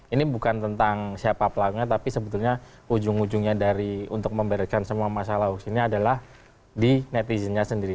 ini bukan tentang siapa pelakunya tapi sebetulnya ujung ujungnya dari untuk memberikan semua masalah hoax ini adalah di netizennya sendiri